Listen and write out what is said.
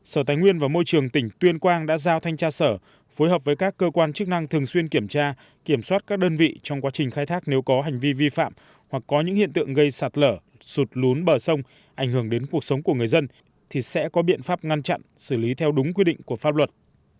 sở tài nguyên và môi trường tỉnh tuyên quang đã giao thanh tra sở phối hợp với các cơ quan chức năng thường xuyên kiểm tra kiểm soát các đơn vị trong quá trình khai thác nếu có hành vi vi phạm hoặc có những hiện tượng gây sạt lở sụt lún bờ sông ảnh hưởng đến cuộc sống của người dân thì sẽ có biện pháp ngăn chặn xử lý theo đúng quy định của pháp luật